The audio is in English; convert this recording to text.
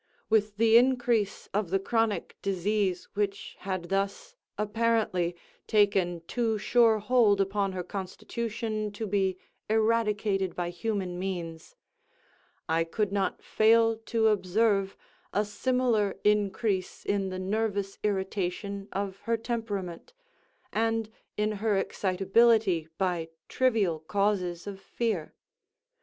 With the increase of the chronic disease which had thus, apparently, taken too sure hold upon her constitution to be eradicated by human means, I could not fail to observe a similar increase in the nervous irritation of her temperament, and in her excitability by trivial causes of fear.